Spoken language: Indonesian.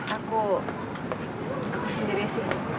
aku sendiri sih